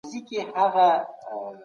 کمپيوټر کمرې وصلوي.